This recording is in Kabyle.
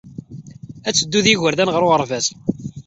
Ad teddu ed yigerdan ɣer uɣerbaz.